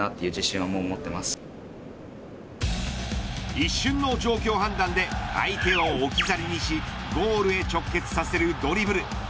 一瞬の状況判断で相手を置き去りにしゴールへ直結させるドリブル。